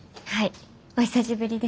お久しぶりです。